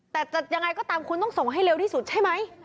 แต่จะยังไงก็ตามคุณต้องส่งให้เร็วที่สุดใช่ไหม